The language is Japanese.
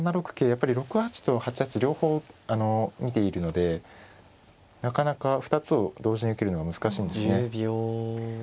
やっぱり６八と８八両方見ているのでなかなか２つを同時に受けるのが難しいんですね。